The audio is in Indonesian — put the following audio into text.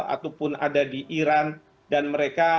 ataupun ada di iran dan mereka